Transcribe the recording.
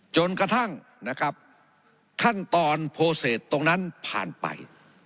จนกระทั่งขั้นตอนโภเศษตรงนั้นผ่านไป